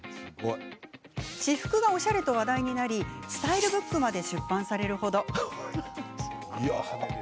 私服がおしゃれと話題になりスタイルブックまで出版されるほど。